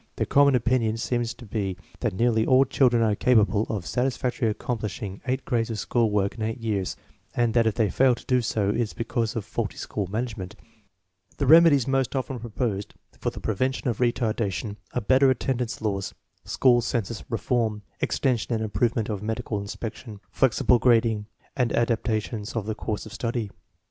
The common opinion seems to be that nearly all children are capable of satisfactorily accomplishing eight grades of school work in eight years, and that if they fail to do so it is because of faulty school management. The remedies most often proposed for the prevention of retardation are better attendance laws, school census reform, extension and improvement of medical inspection, flexible grading, and adaptations of the course of study.